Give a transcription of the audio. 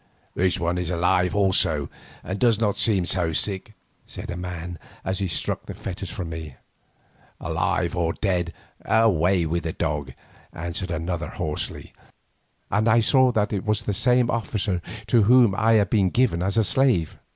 "This one is alive also and does not seem so sick," said a man as he struck the fetters from me. "Alive or dead, away with the dog!" answered another hoarsely, and I saw that it was the same officer to whom I had been given as a slave.